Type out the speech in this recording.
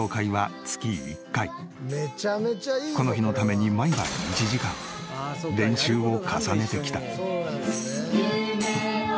この日のために毎晩１時間練習を重ねてきた。